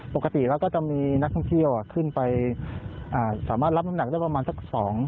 ปกติแล้วก็จะมีนักท่องเที่ยวขึ้นไปสามารถรับน้ำหนักได้ประมาณสักสอง